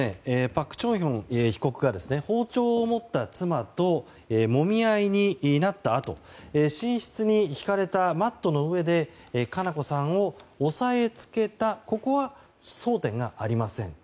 パク・チョンヒョン被告が包丁を持った妻ともみ合いになったあと寝室に敷かれたマットの上で佳菜子さんを押さえつけたここは争点がありません。